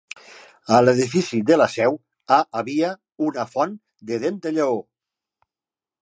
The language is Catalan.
A l'edifici de la seu ha havia una font de dent de lleó.